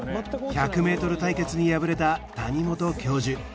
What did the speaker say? １００ｍ対決に敗れた谷本教授